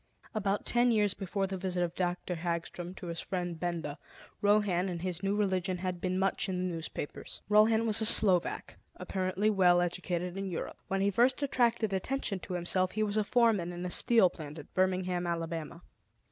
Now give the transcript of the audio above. About ten years before the visit of Dr. Hagstrom to his friend Benda, Rohan and his new religion had been much in the newspapers. Rohan was a Slovak, apparently well educated in Europe. When he first attracted attention to himself, he was foreman in a steel plant at Birmingham, Alabama.